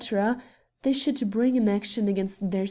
— they should bring an action against their